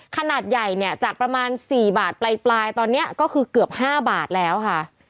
ขนาดใหญ่เนี่ยจากประมาณ๔บาทปลายตอนนี้ก็คือเกือบ๕บาทแล้วค่ะ